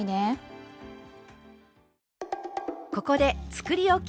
ここでつくりおき